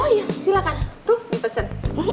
oh iya silakan tuh dipesen